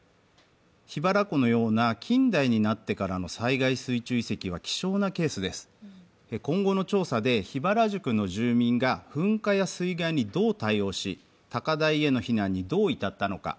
桧原湖のような近大になってからの災害水中遺跡は希少なケースです、今後の調査で桧原宿の住民が噴火や水害にどう対応し高台への避難にどう至ったのか。